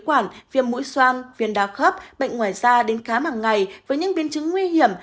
quản viêm mũi xoan viên đa khớp bệnh ngoài da đến khá mảng ngày với những biến chứng nguy hiểm